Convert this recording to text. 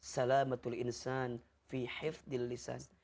selamatul insan fi hifdil lisan